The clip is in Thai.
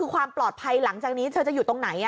ความปลอดภัยหลังจากนี้เธอจะอยู่ตรงไหน